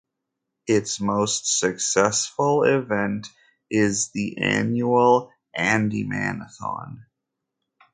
Its most successful event is the annual Andyman-a-Thon.